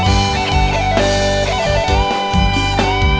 รับสวนอย่างเลย